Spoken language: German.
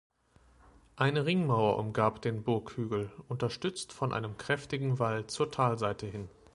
Eine Ringmauer umgab den Burghügel, unterstützt von einem kräftigen Wall zur Talseite hin.